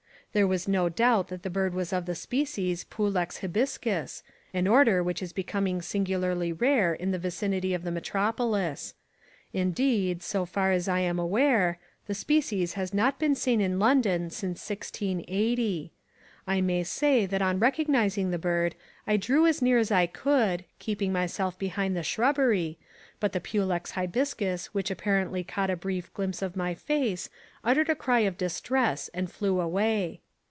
There was no doubt that the bird was of the species pulex hibiscus, an order which is becoming singularly rare in the vicinity of the metropolis. Indeed, so far as I am aware, the species has not been seen in London since 1680. I may say that on recognising the bird I drew as near as I could, keeping myself behind the shrubbery, but the pulex hibiscus which apparently caught a brief glimpse of my face uttered a cry of distress and flew away.